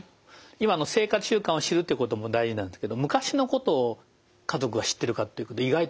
今の生活習慣を知るということも大事なんですけど昔のことを家族は知ってるか意外と知られないんですよね。